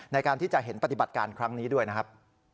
ในการที่จะเห็นปฏิบัติการครั้งนี้ด้วยนะครับ